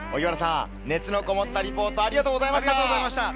熱のこもったリポートをありがとうございました。